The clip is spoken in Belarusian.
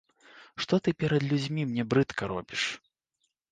Што ты перад людзьмі мне брыдка робіш?